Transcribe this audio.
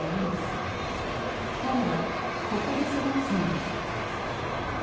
彼はここで育つのです。